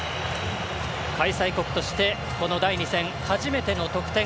開催国として、この第２戦初めての得点